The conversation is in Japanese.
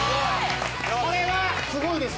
すごい！